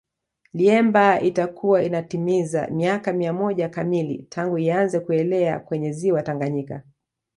Liemba itakuwa inatimiza miaka mia moja kamili tangu ianze kuelea kwenye Ziwa Tanganyika